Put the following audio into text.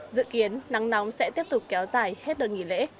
dự kiến nắng nóng sẽ tiếp tục kéo dài hết đợt nghỉ lễ